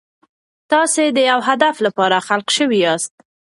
تاسو د یو هدف لپاره خلق شوي یاست.